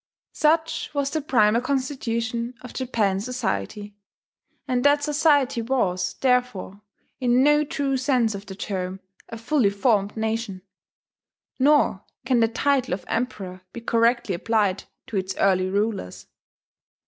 Such was the primal constitution of Japanese society; and that society was, therefore, in no true sense of the term, a fully formed nation. Nor can the title of Emperor be correctly applied to its early rulers.